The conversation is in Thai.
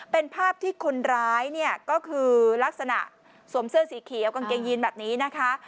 เป็นภาพที่คนร้ายเนี่ยก็คือลักษณะสวมเสื้อสีเขียวกางเกงยีนแบบนี้นะคะ